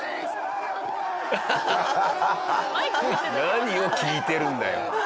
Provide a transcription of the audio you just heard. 何を聞いてるんだよ。